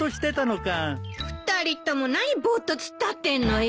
２人とも何ボーッと突っ立ってんのよ。